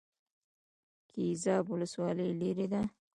ګیزاب ولسوالۍ لیرې ده؟